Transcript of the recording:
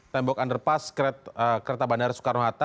tembok underpass kereta bandara soekarno hatta